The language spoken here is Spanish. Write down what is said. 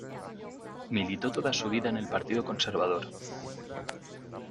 Militó toda su vida en el Partido Conservador.